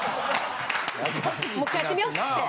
もう１回やってみよって。